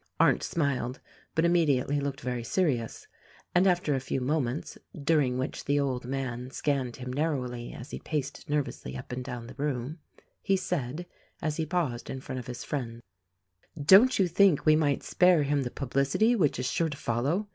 Arndt smiled, but immediatelv looked very serious; and after a few moments — during which the old man scanned him narrowly as he paced nervously up and down the room — he said, as he paused in front of his friend, "Don't you think we might spare him the publicity which is sure to follow?